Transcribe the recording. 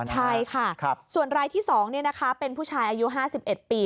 ใช่ค่ะส่วนรายที่๒เป็นผู้ชายอายุ๕๑ปี